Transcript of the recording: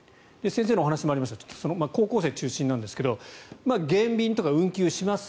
先生のお話にもありました高校生中心なんですが減便とか運休をします